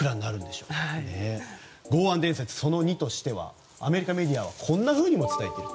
剛腕伝説その２ということでアメリカメディアはこんなふうにも伝えている。